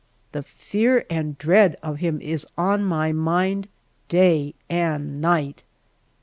The fear and dread of him is on my mind day and night.